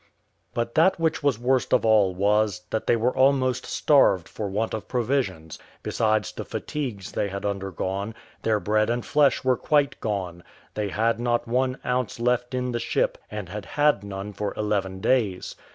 But that which was worst of all was, that they were almost starved for want of provisions, besides the fatigues they had undergone; their bread and flesh were quite gone they had not one ounce left in the ship, and had had none for eleven days.